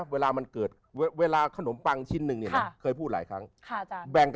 เวลามันเกิดเวลาขนมปังชิ้นนึง